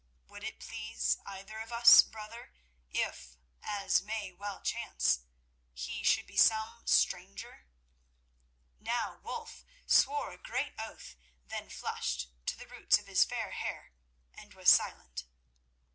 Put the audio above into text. Would it please either of us, brother, if, as may well chance, he should be some stranger?" Now Wulf swore a great oath, then flushed to the roots of his fair hair, and was silent.